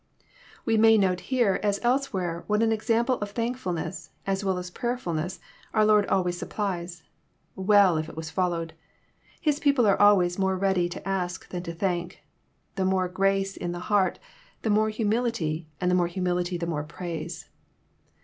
We may note here, as elsewhere, what an example of thank« fblness, as well as prayerfblness, oar Lord always supplies. Well if it was followed ! His people are always more ready to ask than to thank. The more grace in a heart the more humil ity, and the more humility the more praise.